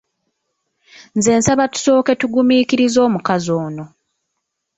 Nze nsaba tusooke tugumiikirize omukazi ono.